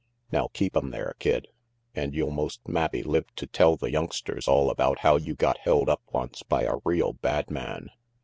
Now keep 'em there, Kid, and you'll most mabbe live to tell the youngsters all about how you got held up once by a real bad man."